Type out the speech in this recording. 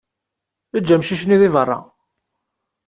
Eǧǧ amcic-nni deg berra.